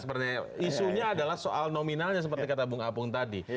seperti isunya adalah soal nominalnya seperti kata bung apung tadi